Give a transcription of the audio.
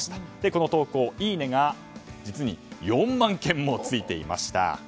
この投稿、いいねが実に４万件もついていました。